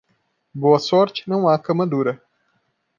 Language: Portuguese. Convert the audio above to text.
Boa sorte, não há cama dura.